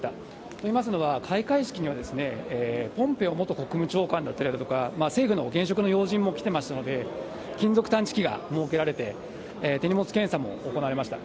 といいますのは、開会式にはポンペオ元国務長官だったりとか、政府の現職の要人も来てましたので、金属探知機が設けられて、手荷物検査も行われました。